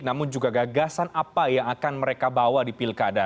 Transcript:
namun juga gagasan apa yang akan mereka bawa di pilkada